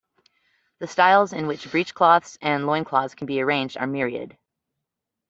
The styles in which breechcloths and loincloths can be arranged are myriad.